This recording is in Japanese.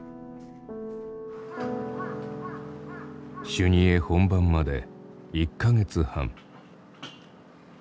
修二会本番まで１か月半。